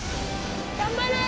頑張れー！